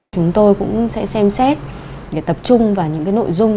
chúng tôi cũng sẽ xem xét tập trung vào những nội dung